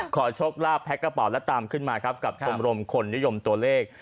ขอโชคราบแพ็กกระเป๋าและตามขึ้นมากับกรมรมคนยุยมตัวเลข